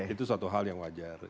itu satu hal yang wajar